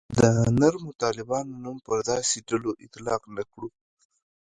د نرمو طالبانو نوم پر داسې ډلو اطلاق نه کړو.